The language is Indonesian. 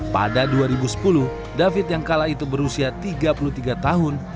pada dua ribu sepuluh david yang kala itu berusia tiga puluh tiga tahun